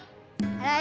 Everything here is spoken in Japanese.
はい。